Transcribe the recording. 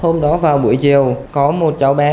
hôm đó vào buổi chiều có một cháu bé